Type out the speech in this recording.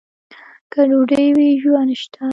که ډوډۍ وي، ژوند شته.